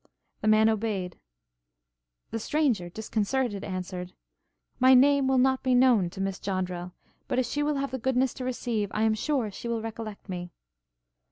The man obeyed. The stranger, disconcerted, answered, 'My name will not be known to Miss Joddrel, but if she will have the goodness to receive, I am sure she will recollect me.'